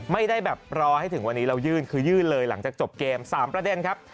ไม่ได้แบบรอให้ถึงวันนี้เรายื่นคือยื่นเลยหลังจากจบเกม๓ประเด็นครับ